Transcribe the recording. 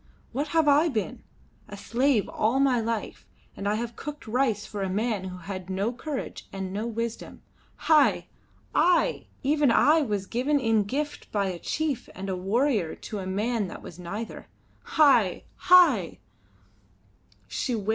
What have I been? A slave all my life, and I have cooked rice for a man who had no courage and no wisdom. Hai! I! even I, was given in gift by a chief and a warrior to a man that was neither. Hai! Hai!"